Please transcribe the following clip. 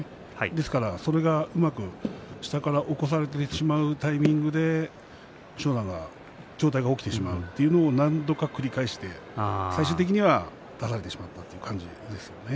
ですからそれがうまく下から起こされてしまうタイミングで武将山の上体が起きてしまうというのを何度か繰り返して最終的には、はたかれてしまったという感じですね。